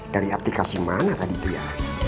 dari aplikasi mana tadi itu ya